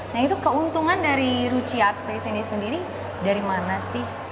nah itu keuntungan dari ruchi art space ini sendiri dari mana sih